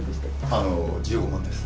あの１５万です。